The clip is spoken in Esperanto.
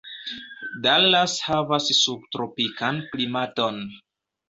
Dallas havas subtropikan klimaton.